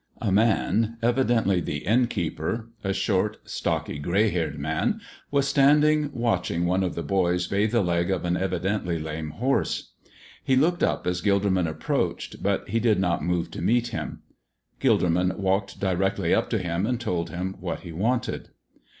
A man, evidently the innkeeper a short, stocky, gray haired man was standing watching one of the boys bathe the leg of an evidently lame horse. He looked up as Gilderman approached, but he did not move to meet him. Gilderman walked directly up to him and told him what he wanted.